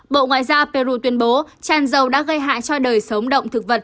bộ ngoại giao peru tuyên bố tràn dầu đã gây hại cho đời sống động thực vật